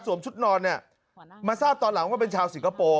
ชุดนอนเนี่ยมาทราบตอนหลังว่าเป็นชาวสิงคโปร์